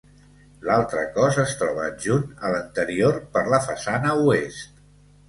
L'altre cos es troba adjunt a l'anterior per la façana oest.